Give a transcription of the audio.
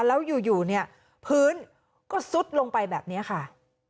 แล้วอยู่เนี่ยพื้นก็ซุดลงไปแบบนี้ค่ะ